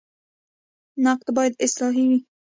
نقد باید اصلاحي وي